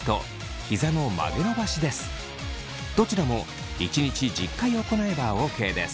どちらも１日１０回行えばＯＫです。